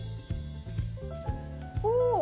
おお！